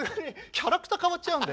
キャラクター変わっちゃうんで。